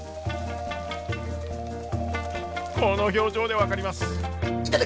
この表情で分かります。